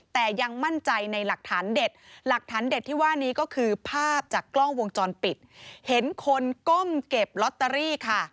แต่ยังมั่นใจในหลักฐานเด็ดหลักฐานเด็ดที่ว่านี้ก็คือภาพจากกล้องวงจรปิดเห็นคนก้มเก็บลอตเตอรี่ค่ะ